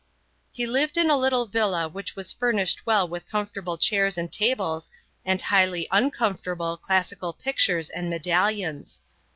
He lived in a little villa which was furnished well with comfortable chairs and tables and highly uncomfortable classical pictures and medallions.